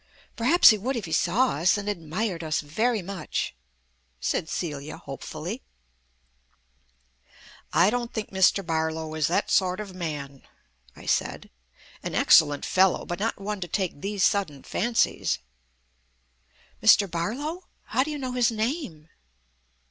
"Perhaps he would if he saw us and admired us very much," said Celia hopefully. "I don't think Mr. Barlow is that sort of man," I said. "An excellent fellow, but not one to take these sudden fancies." "Mr. Barlow? How do you know his name?"